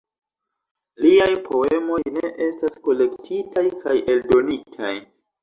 Liaj poemoj ne estas kolektitaj kaj eldonitaj.